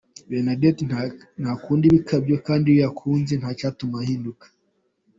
Bernadette ntakunda ibikabyo kandi iyo yagukunze ntacyatuma ahinduka.